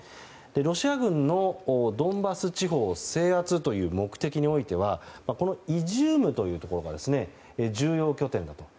ロシア軍のドンバス地方制圧という目的においてはこのイジュームというところが重要拠点だと。